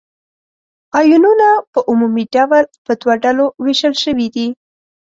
آیونونه په عمومي ډول په دوه ډلو ویشل شوي دي.